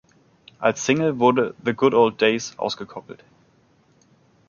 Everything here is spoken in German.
Als Single wurde "The Good Old Days" ausgekoppelt.